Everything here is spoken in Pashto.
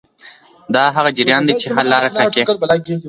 دا هغه جریان دی چې حل لاره ټاکي.